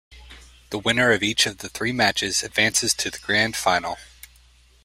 The winner of each of the three matches advances to the Grand Final.